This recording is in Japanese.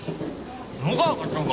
野川課長が！？